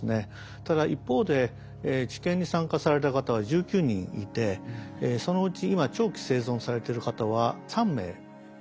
ただ一方で治験に参加された方は１９人いてそのうち今長期生存されてる方は３名しかいません。